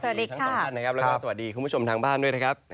ทั้งสองท่านนะครับแล้วก็สวัสดีคุณผู้ชมทางบ้านด้วยนะครับ